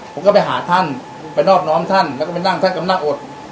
ผมก็ไปหาท่านไปนอบน้อมท่านแล้วก็ไปนั่งท่านก็นั่งอด